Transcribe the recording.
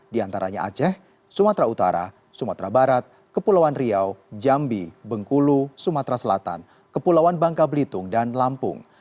di antaranya aceh sumatera utara sumatera barat kepulauan riau jambi bengkulu sumatera selatan kepulauan bangka belitung dan lampung